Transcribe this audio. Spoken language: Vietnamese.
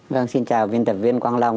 vâng xin chào viên tập viên quang long